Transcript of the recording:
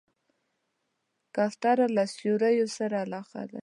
کوتره له سیوریو سره علاقه لري.